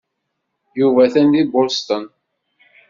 Yuba atan deg Boston.